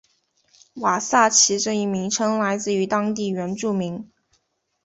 瓦萨奇这一名称来自于当地原住民。